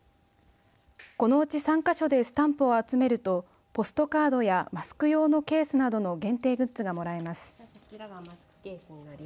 このうち３か所でスタンプを集めるとポストカードやマスク用のケースなどの限定グッズがもらえます。